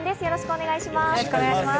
よろしくお願いします。